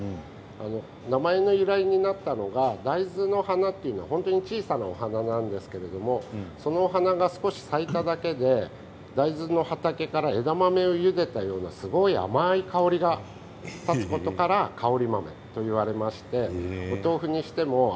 名前の由来になったのが大豆の花というのは小さなお花なんですけどその花が咲いただけで大豆の畑から枝豆をいったようなすごい甘い香りがするところからかおり豆といわれています。